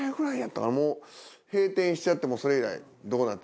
もう閉店しちゃってそれ以来どうなってるか。